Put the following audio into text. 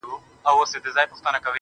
زما د خيال د فلسفې شاعره .